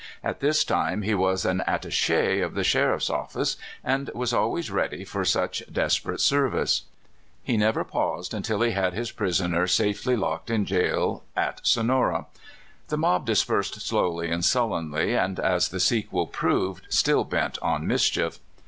At this time he was an attache of the sheriff's lOO CALIFORNIA SKETCHES. office, and was always ready for such desperate service. He never paused until he had his pris oner safely locked in jail at Sonora. The mob dispersed slowly and sullenly, and, as the sequel proved, still bent on mischief.